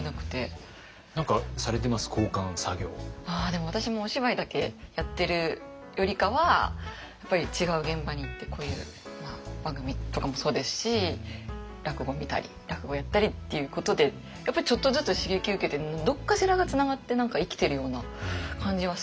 でも私もお芝居だけやってるよりかはやっぱり違う現場に行ってこういう番組とかもそうですし落語見たり落語やったりっていうことでやっぱりちょっとずつ刺激受けてどっかしらがつながって何か生きているような感じがするので。